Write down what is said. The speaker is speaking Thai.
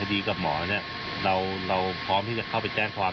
แต่หมอก็ทำแบบนี้ไปสองครั้ง